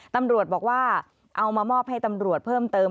ตำรวจบอกว่าเอามามอบให้ตำรวจเพิ่มเติม